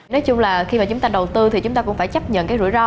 nói chung là khi mà chúng ta đầu tư thì chúng ta cũng phải chấp nhận cái rủi ro